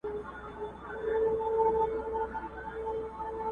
هر مشکل ته پیدا کېږي یوه لاره؛